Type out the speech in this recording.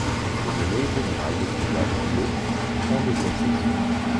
Il est nommé général de brigade le en deuxième section.